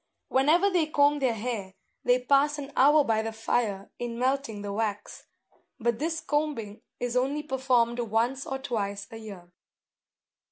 Whenever they comb their hair, they pass an hour by the fire in melting the wax; but this combing is only performed once or twice a year.